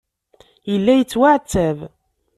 Yella yettwaɛettab.